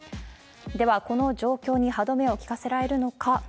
では、この状況に歯止めを利かせられるのか。